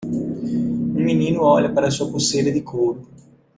Um menino olha para sua pulseira de couro.